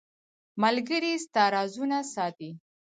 • ملګری ستا رازونه ساتي.